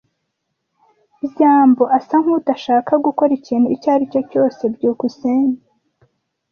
byambo asa nkudashaka gukora ikintu icyo aricyo cyose. byukusenge